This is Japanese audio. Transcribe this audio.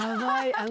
あの。